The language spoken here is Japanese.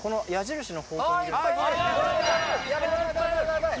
やばい！